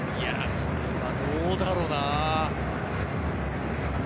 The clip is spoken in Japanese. これはどうだろうな？